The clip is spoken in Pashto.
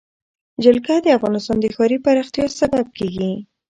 جلګه د افغانستان د ښاري پراختیا سبب کېږي.